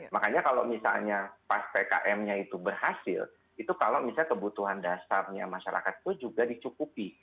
makanya kalau misalnya pas pkm nya itu berhasil itu kalau misalnya kebutuhan dasarnya masyarakat itu juga dicukupi